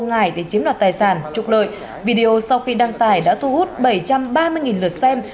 ngày để chiếm đoạt tài sản trục lợi video sau khi đăng tải đã thu hút bảy trăm ba mươi lượt xem